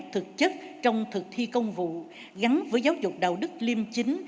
thực chất trong thực thi công vụ gắn với giáo dục đạo đức liêm chính